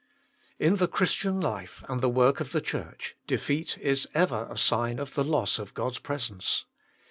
In the Christian life and the work of the Church, defeat is ever a sign of the loss of God s presence.